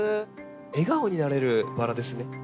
笑顔になれるバラですね。